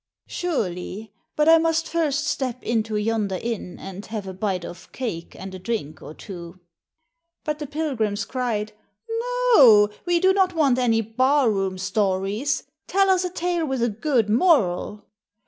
"Surely, but I must first step into yonder inn and have a bite of cake and a drink or two." But the pilgrims cried, " No, we do not want any barroom stories. Tell us a tale with a good moral."